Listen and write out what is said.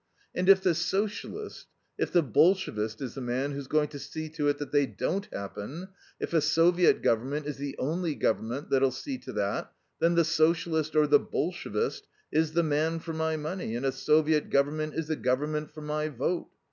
"And if the Socialist if the Bolshevist is the man who's going to see to it that they don't happen, if a Soviet Government is the only Government that'll see to that, then the Socialist, or the Bolshevist, is the man for my money, and a Soviet Government is the Government for my vote.